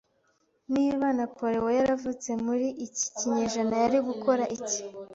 Niba Napoleon yaravutse muri iki kinyejana, yari gukora iki?